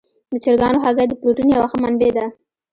د چرګانو هګۍ د پروټین یوه ښه منبع ده.